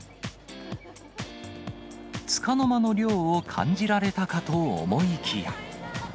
つかの間の涼を感じられたかと思いきや。